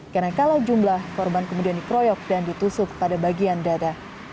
karena kalah jumlah korban kemudian dikeroyok dan ditusuk pada bagian dada